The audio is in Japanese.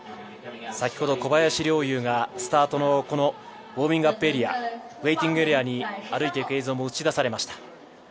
先ほど小林陵侑が、スタートのウォーミングアップエリア、ウェイティングエリアに歩いていく映像も映し出されました。